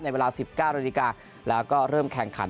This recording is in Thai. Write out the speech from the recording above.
ในเวลา๑๙นแล้วก็เริ่มแข่งขัน